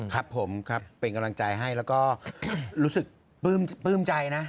ครับผมครับเป็นกำลังใจให้แล้วก็รู้สึกปลื้มใจนะ